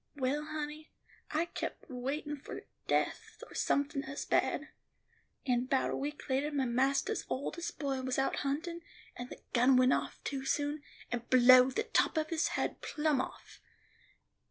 Well, honey, I kep' a waitin' for a death or somefin as bad; and 'bout a week later, my mastah's oldest boy was out huntin', and the gun went off too soon, and blowed the top of his haid plum off.